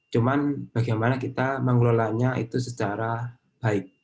cuman bagaimana kita mengelolanya itu secara baik